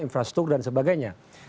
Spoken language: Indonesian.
infrastruktur dan sebagainya